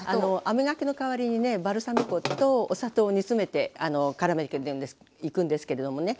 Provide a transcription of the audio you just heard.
あめがけの代わりにねバルサミコとお砂糖煮詰めて絡めていくんですけれどもね。